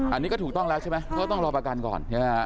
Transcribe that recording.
อันนี้ก็ถูกต้องแล้วใช่ไหมก็ต้องรอประกันก่อนใช่ไหมฮะ